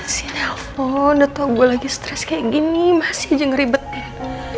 ngapain sih nelpon udah tau gue lagi stress kayak gini masih aja ngeribetin